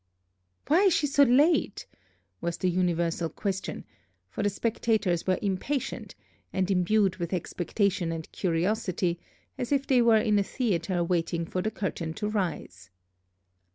"Why is she so late?" was the universal question; for the spectators were impatient, and imbued with expectation and curiosity, as if they were in a theatre waiting for the curtain to rise.